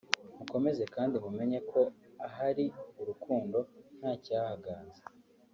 mukomeze kandi mumenye ko ahari urukundo nta cyahaganza